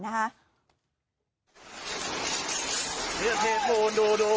นี่คือเทพภูนิดู